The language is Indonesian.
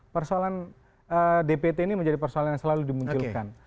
persoalan dpt ini menjadi persoalan yang selalu dimunculkan